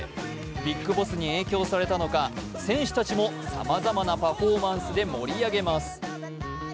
ビッグボスに影響されたのか、選手たちもさまざまなパフォーマンスで盛り上げます。